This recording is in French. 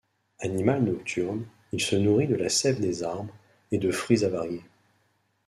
Animal nocturne, il se nourrit de la sève des arbres et de fruits avariés.